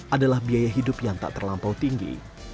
adalah biaya hidup yang tak terlampau tinggi